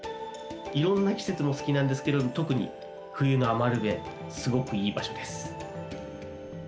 色んな季節も好きなんですけど特に冬の餘部すごくいい場所です。